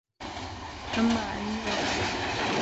شَمَّ عَلِيٌ وَرْدَةً.